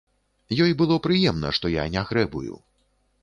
Ёй было прыемна, што я не грэбую.